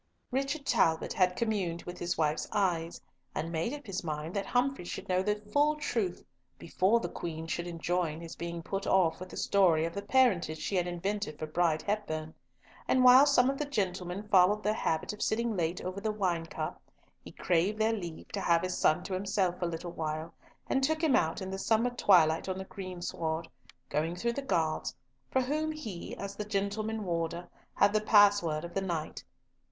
Richard Talbot had communed with his wife's eyes, and made up his mind that Humfrey should know the full truth before the Queen should enjoin his being put off with the story of the parentage she had invented for Bride Hepburn; and while some of the gentlemen followed their habit of sitting late over the wine cup, he craved their leave to have his son to himself a little while, and took him out in the summer twilight on the greensward, going through the guards, for whom he, as the gentleman warder, had the password of the night.